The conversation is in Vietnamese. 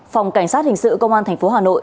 phòng cảnh sát hình sự công an thành phố hà nội